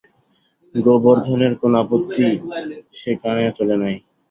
গোবর্ধনের কোনো আপত্তিই সে কানে তোলে নাই।